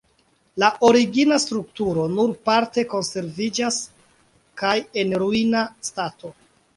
La origina strukturo nur parte konserviĝas kaj en ruina stato.